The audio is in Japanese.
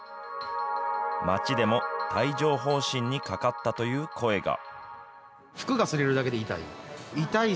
街でも帯状ほう疹にかかったという声が。